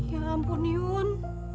ya ampun yun